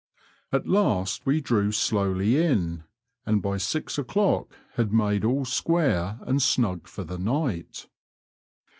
At last we drew slowly in, and by six o'clock had made all square and snug for the night.